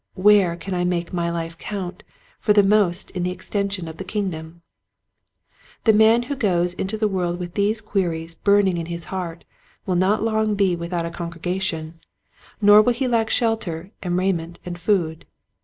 Where can I make my life count for most in the extension of the kingdom .?" The man who goes into the world with these queries burning in his heart will not long be without a con gregation, nor will he lack shelter and rai ment and food.